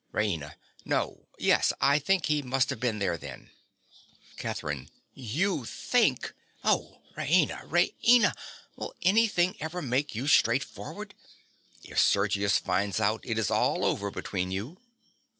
RAINA. No. Yes, I think he must have been there then. CATHERINE. You think! Oh, Raina, Raina! Will anything ever make you straightforward? If Sergius finds out, it is all over between you.